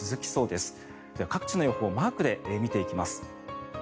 では各地の予報マークで見ていきます。